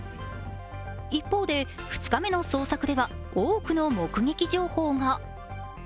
一方で２日目の捜索では多くの目撃情報が。